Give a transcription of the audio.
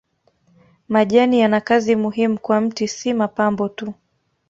Majani yana kazi muhimu kwa mti si mapambo tu.